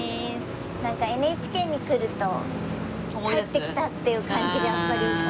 なんかＮＨＫに来ると帰ってきたっていう感じがやっぱりして。